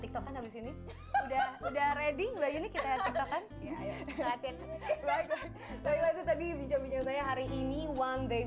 tiktokan habis ini udah udah ready lagi kita akan baik baik tadi bicara bicara saya hari ini one day